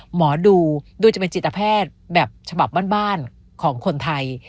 หมอดูโดยจะเป็นจิตแพทย์แบบฉบับบ้านของคนไทย